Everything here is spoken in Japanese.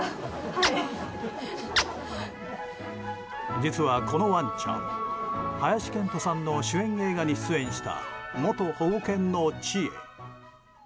実は、このワンちゃん林遣都さんの出演した元保護犬のちえ。